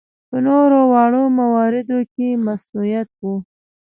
په نورو واړه مواردو کې مصنوعیت و.